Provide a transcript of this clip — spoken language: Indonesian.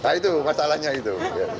nah itu masalahnya itu